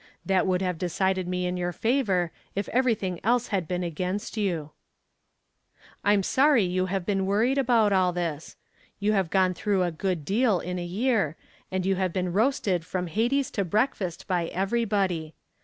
That would have decided me in your favor if everything else had been against you. "I'm sorry you've been worried about all this. You have gone through a good deal in a year and you have been roasted from Hades to breakfast by everybody.